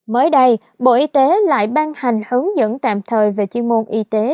mới đây bộ y tế lại ban hành hướng dẫn tạm thời về chuyên môn y tế